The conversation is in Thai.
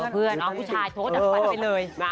อ๋อเพื่อนอ๋อผู้ชายโทรจัดฝันไปเลยมา